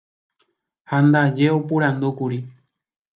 ha ndaje oporandúkuri